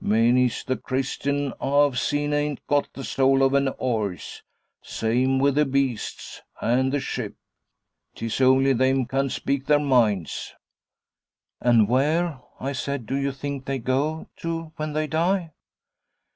Many's the Christian ah've seen ain't got the soul of an 'orse. Same with the beasts an' the ship; 't es only they'm can't spake their minds.' 'And where,' I said, 'do you think they go to when they die?'